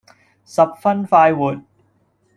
十分快活。